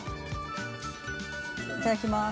いただきます。